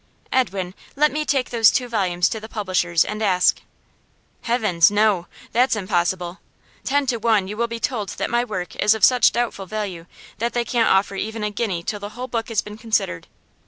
'Edwin, let me take those two volumes to the publishers, and ask ' 'Heavens! no. That's impossible. Ten to one you will be told that my work is of such doubtful value that they can't offer even a guinea till the whole book has been considered.